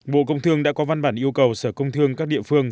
bộ công thương đã có văn bản yêu cầu sở công thương các địa phương